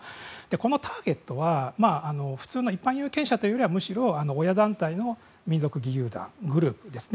このターゲットは普通の一般有権者というよりはむしろ親団体の民族義勇団グループですね。